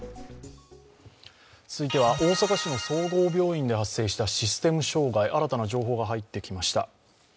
続いては、大阪市の総合病院で発生したシステム障害、新たな情報が入ってきました。